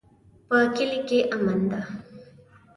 په کلي کې امن ده